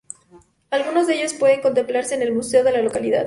Algunos de ellos pueden contemplarse en el museo de la localidad.